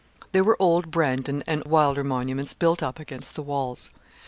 There were old Brandon and Wylder monuments built up against the walls.